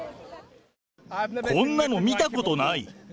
こんなの見たことない。